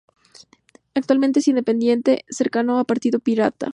Actualmente es independiente, cercano al Partido Pirata.